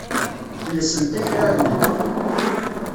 Llsent akraren-nni.